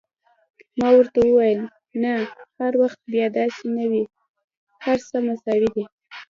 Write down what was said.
ما ورته وویل: نه، هر وخت بیا داسې نه وي، هر څه مساوي دي.